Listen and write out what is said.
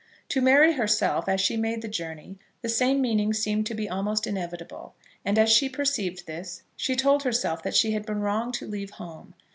To Mary herself, as she made the journey, the same meaning seemed to be almost inevitable; and as she perceived this, she told herself that she had been wrong to leave home.